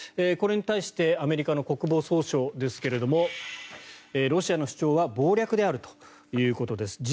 これに対してアメリカの国防総省ですがロシアの主張は謀略であるということです。